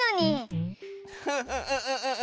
フフフフフフ。